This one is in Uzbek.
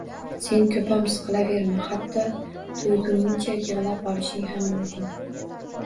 Sen ko`pam siqilaverma, hatto to`yguningcha yig`lab olishing ham mumkin